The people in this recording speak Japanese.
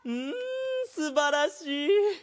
んすばらしい！